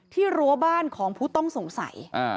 รั้วบ้านของผู้ต้องสงสัย